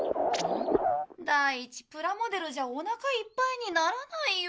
第一プラモデルじゃおなかいっぱいにならないよ。